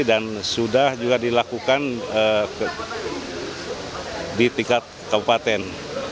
dan sudah juga dilakukan di tingkat kabupaten